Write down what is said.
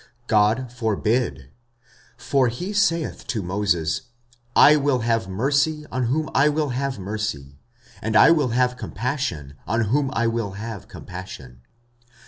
God forbid. 45:009:015 For he saith to Moses, I will have mercy on whom I will have mercy, and I will have compassion on whom I will have compassion.